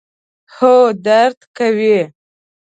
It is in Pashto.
هو، درد کوي